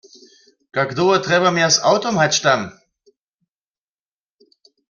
Kak dołho trjebam ja z awtom hač tam?